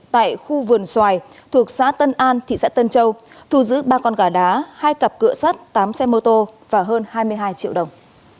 tại khu vườn xoài thuộc xã tân an thị xã tân châu thu giữ ba con gà đá hai cặp cửa sắt tám xe mô tô và hơn hai mươi hai triệu đồng